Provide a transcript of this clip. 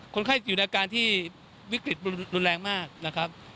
คนไข้อยู่ในอาการที่วิกฤตรุนแรงมากนะครับ